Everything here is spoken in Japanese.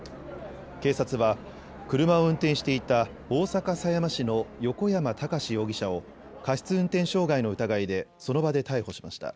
警察は車を運転していた大阪狭山市の横山孝容疑者を過失運転傷害の疑いでその場で逮捕しました。